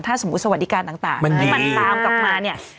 ถ้าสมมุติสวัสดิการต่างที่มันตามกลับมาเนี่ย